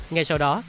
ngay sau đó